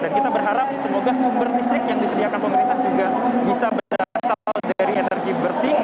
dan kita berharap semoga sumber listrik yang disediakan pemerintah juga bisa berasal dari energi bersih